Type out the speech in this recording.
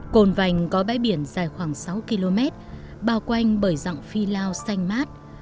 cồn vành có bãi biển dài khoảng sáu km bao quanh bởi dạng phi lao xanh mát